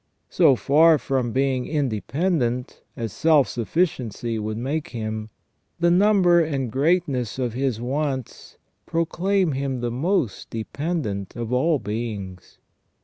So far from being independent, as self sufficiency would make him, the number and greatness of his wants proclaim him the most dependent of all beings.